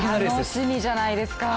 楽しみじゃないですか。